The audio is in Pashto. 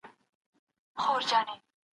ایا دا وینا په علمي دلایلو ثابته سوې ده؟